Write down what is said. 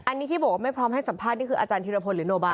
อันนี้ที่บอกว่าไม่พร้อมให้สัมภาษณ์นี่คืออาจารย์ธิรพลหรือโนบา